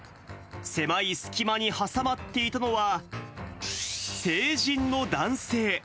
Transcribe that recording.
狭い隙間に挟まっていたのは、成人の男性。